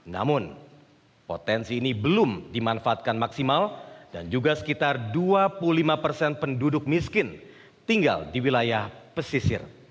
namun potensi ini belum dimanfaatkan maksimal dan juga sekitar dua puluh lima persen penduduk miskin tinggal di wilayah pesisir